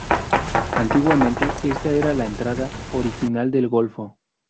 Antiguamente esta era la entrada original del golfo.